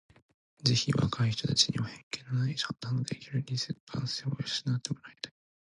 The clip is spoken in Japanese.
ぜひ若い人たちには偏見のない判断のできる理性と感性を養って貰いたい。